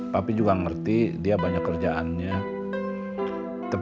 masih tentang si yang berantem